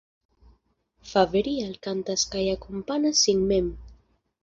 Faverial kantas kaj akompanas sin mem.